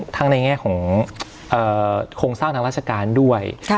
ในแง่ของโครงสร้างทางราชการด้วย